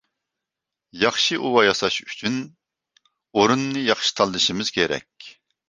-ياخشى ئۇۋا ياساش ئۈچۈن ئورۇننى ياخشى تاللىشىمىز كېرەك.